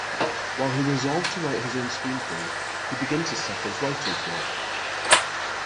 While he resolves to write his own screenplay, he begins to suffer writer's block.